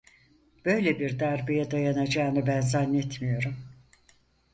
Böyle bir darbeye dayanacağını ben zannetmiyorum.